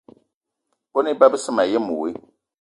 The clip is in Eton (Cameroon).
Kone iba besse mayen woe.